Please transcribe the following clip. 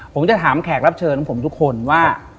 ผมจะถามแขกรับเชิญของผมทุกคนว่า